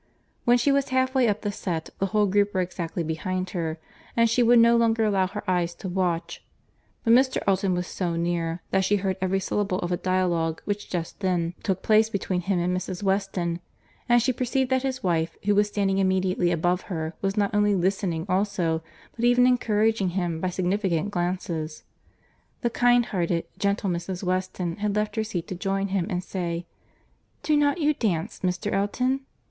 When she was half way up the set, the whole group were exactly behind her, and she would no longer allow her eyes to watch; but Mr. Elton was so near, that she heard every syllable of a dialogue which just then took place between him and Mrs. Weston; and she perceived that his wife, who was standing immediately above her, was not only listening also, but even encouraging him by significant glances.—The kind hearted, gentle Mrs. Weston had left her seat to join him and say, "Do not you dance, Mr. Elton?"